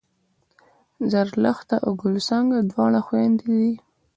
زرلښته او ګل څانګه دواړه خوېندې دي